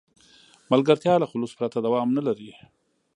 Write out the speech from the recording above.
ملګرتیا له خلوص پرته دوام نه لري.